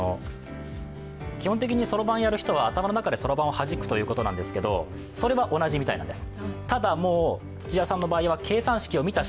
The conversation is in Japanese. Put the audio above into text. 基本的にそろばんをやる人は頭の中でそろばんをはじくようですがそれは同じみたいなんです。